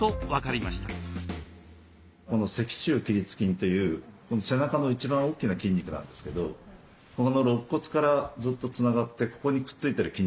この脊柱起立筋という背中の一番大きな筋肉なんですけどこの肋骨からずっとつながってここにくっついてる筋肉があるんですね。